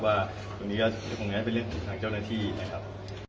ว่าคุณนี้ก็คงจะเป็นเรื่องของทางเจ้าหน้าที่นะครับ